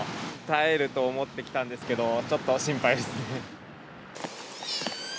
耐えられると思ってきたんですけど、ちょっと心配です。